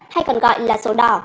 hay còn gọi là sổ đỏ